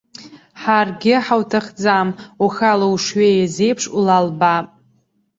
Ҳаргьы ҳауҭахӡам, ухала, ушҩеиз еиԥш, улалбаап.